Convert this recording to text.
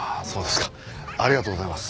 ありがとうございます。